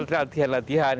di sini latihan latihan